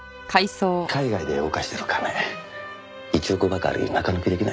海外で動かしてる金１億ばかり中抜きできないか？